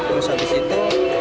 terus habis itu